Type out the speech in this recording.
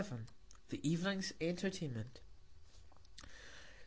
_The Evening's Entertainment.